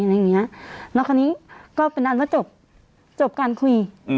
แล้วคราวนี้ก็เป็นอันว่าจบจบการคุย